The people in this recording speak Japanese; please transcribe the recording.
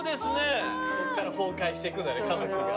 こっから崩壊していくんだね家族が。